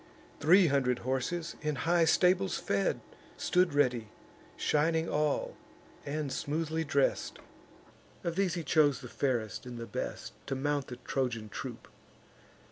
Three hundred horses, in high stables fed, Stood ready, shining all, and smoothly dress'd: Of these he chose the fairest and the best, To mount the Trojan troop.